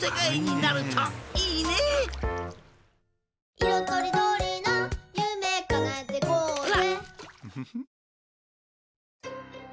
とりどりなゆめかなえてこうぜ！」